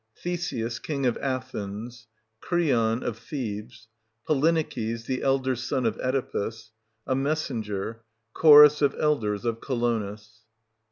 Theseus, King of Athens, Creon, of Thebes. Polyneices, the elder son of Oedipus, A Messenger. Chorus of Elders of Colonus.